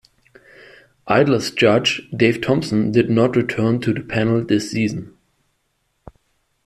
Idols judge Dave Thompson did not return to the panel this season.